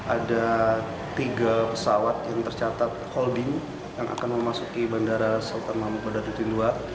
ada tiga pesawat yang tercatat holding yang akan memasuki bandara sultan mahmud badarudin dua